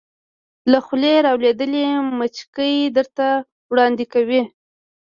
له خولې را لویدلې مچکې درته وړاندې کوې